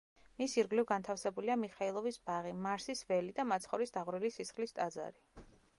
მის ირგვლივ განთავსებულია მიხაილოვის ბაღი, მარსის ველი და მაცხოვრის დაღვრილი სისხლის ტაძარი.